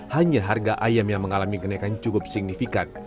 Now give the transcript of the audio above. hanya harga ayam yang mengalami kenaikan cukup signifikan